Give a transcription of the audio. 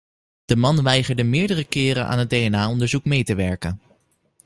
De man weigerde meerdere keren aan het DNA-onderzoek mee te werken.